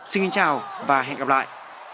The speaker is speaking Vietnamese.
xin chào và hẹn gặp lại